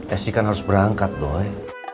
ya si kan harus berangkat doy